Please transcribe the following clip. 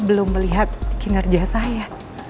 belum melihat kinerja saya